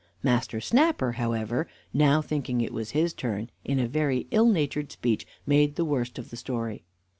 Master Snapper, however, now thinking it was his turn, in a very ill natured speech made the worst of the story.